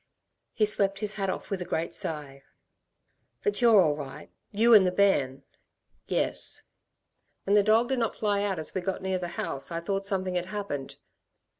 He swept his hat off with a great sigh. "But you're all right, you and the bairn?" "Yes." "When the dog did not fly out as we got near the house I thought something had happened.